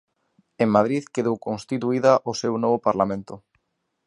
En Madrid quedou constituída o seu novo parlamento.